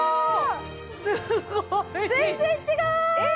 すごい全然違う！